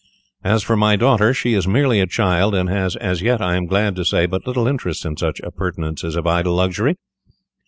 As for my daughter, she is merely a child, and has as yet, I am glad to say, but little interest in such appurtenances of idle luxury.